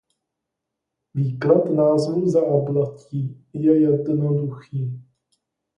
Výklad názvu Záblatí je jednoduchý.